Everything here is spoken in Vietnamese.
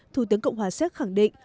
thủ tướng cộng hòa xét khẳng định